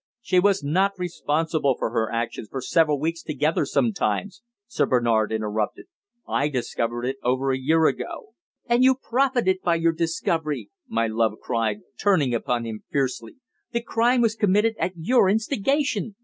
"She was not responsible for her actions for several weeks together sometimes," Sir Bernard interrupted. "I discovered it over a year ago." "And you profited by your discovery!" my love cried, turning upon him fiercely. "The crime was committed at your instigation!"